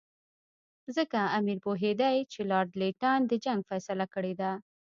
ځکه امیر پوهېدی چې لارډ لیټن د جنګ فیصله کړې ده.